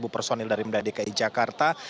personil dari dki jakarta